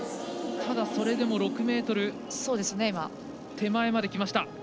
ただ、それでも６ｍ手前まできました。